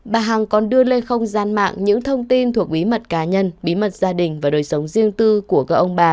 bà hằng còn đưa lên không gian mạng những thông tin thuộc bí mật cá nhân bí mật gia đình và đời sống riêng tư của các ông bà